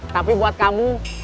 tapi buat kamu